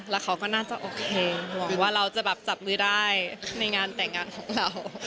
แล้วเขาก็น่าจะโอเคหวังว่าเราจะแบบจับมือได้ในงานแต่งงานของเรา